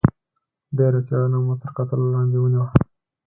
ډېره څېړنه مو تر کتلو لاندې ونیوه.